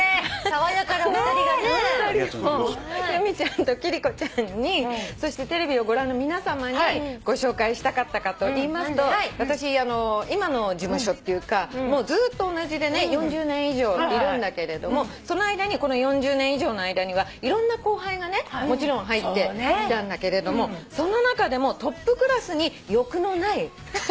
由美ちゃんと貴理子ちゃんにそしてテレビをご覧の皆さまにご紹介したかったかといいますと私今の事務所っていうかずっと同じでね４０年以上いるんだけれどもその間にこの４０年以上の間にはいろんな後輩がねもちろん入ってきたんだけれどもその中でもトップクラスに欲のない。